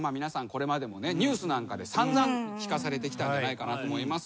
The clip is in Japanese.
これまでもニュースなんかで散々聞かされてきたんじゃないかなと思います。